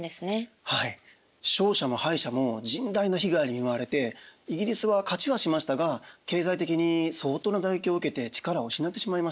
勝者も敗者も甚大な被害に見舞われてイギリスは勝ちはしましたが経済的に相当な打撃を受けて力を失ってしまいました。